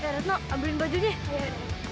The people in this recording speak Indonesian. red no ambilin bajunya